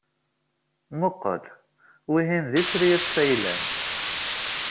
Mmuqqel, wihin d Itri Asfaylan.